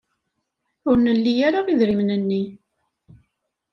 Ur nli ara idrimen-nni.